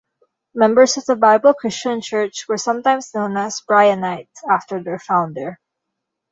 Members of the Bible Christian Church were sometimes known as Bryanites after their founder.